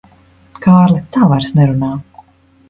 Kārli, tā vairs nerunā.